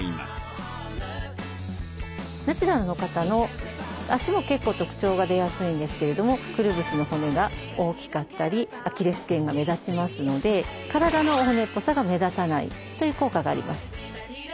ナチュラルの方の足も結構特徴が出やすいんですけれどもくるぶしの骨が大きかったりアキレス腱が目立ちますので体の骨っぽさが目立たないという効果があります。